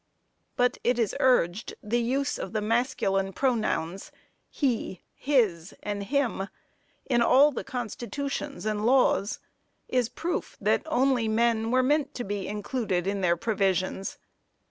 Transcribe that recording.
But, it is urged, the use of the masculine pronouns he, his and him, in all the constitutions and laws, is proof that only men were meant to be included in their provisions.